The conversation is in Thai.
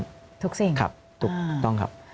ทุกสิ่งครับถูกต้องครับทุกสิ่งครับถูกต้องครับ